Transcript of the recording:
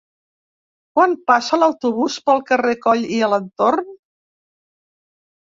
Quan passa l'autobús pel carrer Coll i Alentorn?